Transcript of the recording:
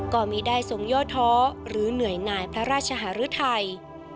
ก็มีได้ส่งโยท้ท้อหรือเหนื่อยหน่ายพระราชหรือไทย